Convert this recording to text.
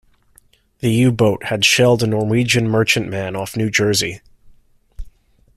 The U-boat had shelled a Norwegian merchantman off New Jersey.